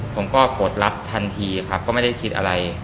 ผมก็กดลับทันทีครับก็ไม่ได้คิดอะไร